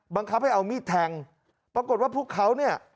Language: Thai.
บังคับให้เอามีดแทงปรากฏว่าพวกเขาเนี่ย